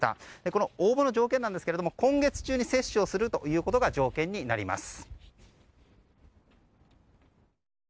この応募の条件なんですけれども今月中に接種をするということが条件になります。